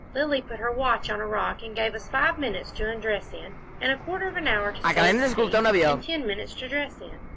Lilly put her watch on a rock and gave us five minutes to undress in, and a quarter of an hour to stay in the sea, and ten minutes to dress in.